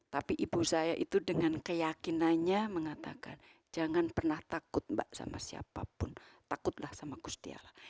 tapi ibu saya itu dengan keyakinannya mengatakan jangan pernah takut mbak sama siapapun takutlah sama gustiala